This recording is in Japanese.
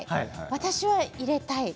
私は足を入れたい。